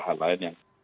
hal lain yang